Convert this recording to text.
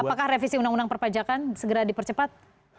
apakah revisi undang undang perpajakan segera dipercepat